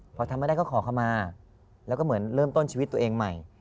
พอทำไม่ได้ก็ขอเข้ามาแล้วก็เหมือนเริ่มต้นชีวิตตัวเองใหม่